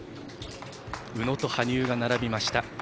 宇野と羽生が並びました。